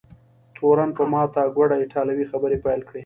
تورن په ماته ګوډه ایټالوي خبرې پیل کړې.